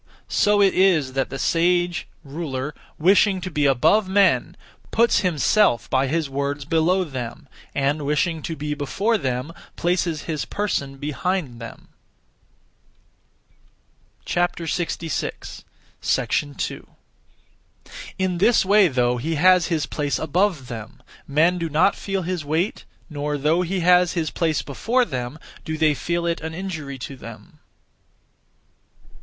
So it is that the sage (ruler), wishing to be above men, puts himself by his words below them, and, wishing to be before them, places his person behind them. 2. In this way though he has his place above them, men do not feel his weight, nor though he has his place before them, do they feel it an injury to them.